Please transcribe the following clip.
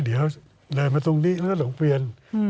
เดี๋ยวเดินมาตรงนี้เนื่องเปลี่ยน